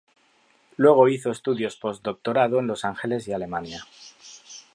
Luego hizo estudios postdoctorado en Los Ángeles y Alemania.